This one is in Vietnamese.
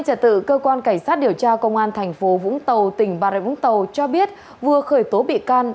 tin an ninh trả tự cơ quan cảnh sát điều tra công an tp vũng tàu tỉnh bà rệ vũng tàu cho biết vừa khởi tố bị can